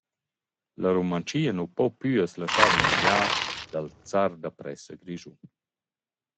La Rumantschia nu po plü as laschar ümiliar dal zar da pressa grischun.